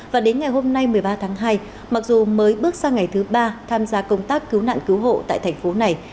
và đến ngày hôm nay một mươi ba tháng hai mặc dù mới bước sang ngày thứ ba tham gia công tác cứu nạn cứu hộ tại thành phố này